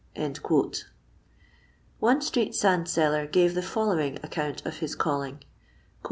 One street sand seller gave the following accoon* of his calling :—